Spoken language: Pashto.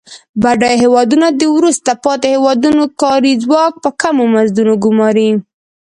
بډایه هیوادونه د وروسته پاتې هېوادونو کاري ځواک په کمو مزدونو ګوماري.